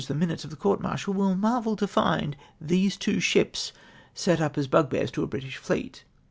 the minutes of the court martial will marvel to find these two ships set up as bugbears to a British fleet.